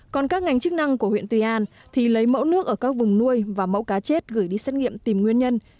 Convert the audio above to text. còn các ngành chức năng của huyện tuy an thì lấy mẫu nước ở các vùng nuôi và mẫu cá chết gửi đi xét nghiệm tìm nguyên nhân